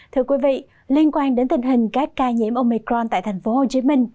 thưa quý vị liên quan đến tình hình các ca nhiễm omecron tại tp hcm